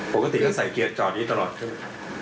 ปกติก็ใส่เกียร์จอดอยู่ตลอดใช่ไหม